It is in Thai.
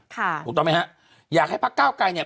ถูกต้องไหมฮะอยากให้พักเก้าไกรเนี่ย